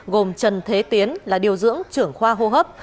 gồm trần thế tiến là điều dưỡng trưởng khoa hô hấp